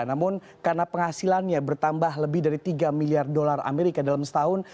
namun karena penghasilannya bertambah lebih dari tiga miliar dolar amerika dalam setahun